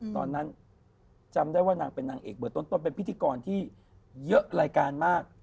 ตอนนั้นจำได้ว่านางเป็นนางเอกเบอร์ต้นเป็นพิธีกรที่เยอะรายการมาก